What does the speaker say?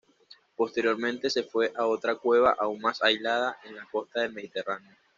Posteriormente se fue a otra cueva aún más aislada, en la costa del Mediterráneo.